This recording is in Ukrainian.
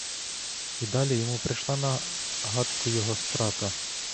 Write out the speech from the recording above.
І далі йому прийшла на гадку його страта.